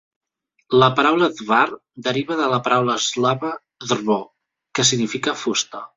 La paraula "dvar" deriva de la paraula eslava "drvo" que significa "fusta".